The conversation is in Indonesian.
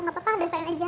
nggak apa apa ada kata aja